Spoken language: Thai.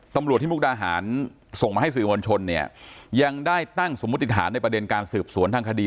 ตำรวจที่มุกดาหารส่งมาให้สื่อมวลชนเนี่ยยังได้ตั้งสมมุติฐานในประเด็นการสืบสวนทางคดี